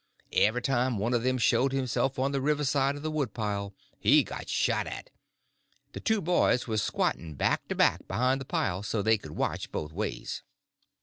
Every time one of them showed himself on the river side of the woodpile he got shot at. The two boys was squatting back to back behind the pile, so they could watch both ways.